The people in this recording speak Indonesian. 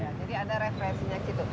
jadi ada referensinya gitu